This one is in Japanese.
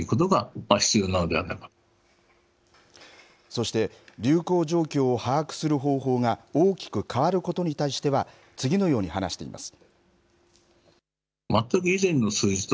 そして、流行状況を把握する方法が大きく変わることに対しては、次のように話しています。